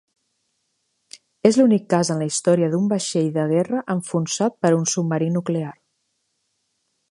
És l'únic cas en la història d'un vaixell de guerra enfonsat per un submarí nuclear.